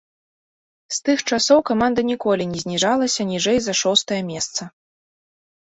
З тых часоў каманда ніколі не зніжалася ніжэй за шостае месца.